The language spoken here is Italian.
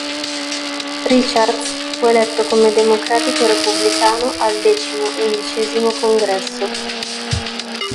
Richards fu eletto come Democratico-Repubblicano al decimo e undicesimo Congresso.